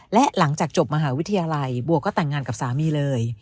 และหลังจากจบมหาวิทยาลัยบัวก็แต่งงานกับสามีเลย